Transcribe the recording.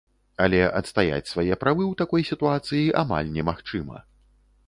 Але адстаяць свае правы ў такой сітуацыі амаль немагчыма.